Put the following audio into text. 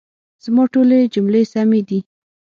زما ټولي جملې سمي دي؟